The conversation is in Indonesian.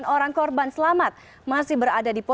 tiga puluh sembilan orang korban selamat masih berada diperjalan